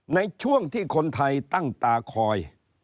ในช่วงที่คนไทยตั้งตาคอย